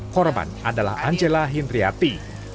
korban adalah angela hindriati